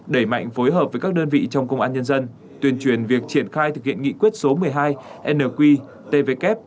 đẩy mạnh phối hợp với các đơn vị trong công an nhân dân tuyên truyền việc triển khai thực hiện nghị quyết số một mươi hai nqtvk